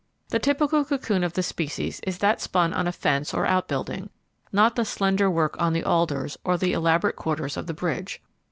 The typical cocoon of the species is that spun on a fence or outbuilding, not the slender work on the alders or the elaborate quarters of the bridge.